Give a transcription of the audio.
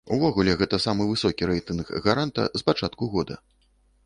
Увогуле, гэта самы высокі рэйтынг гаранта з пачатку года.